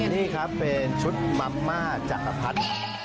นี่ครับเป็นชุดแมม่มาจังหาพัด